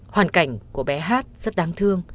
hoàn cảnh của bé hát rất đáng thương